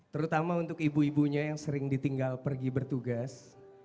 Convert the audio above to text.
terutama untuk ibu ibunya yang sering ditinggal pergi bertugas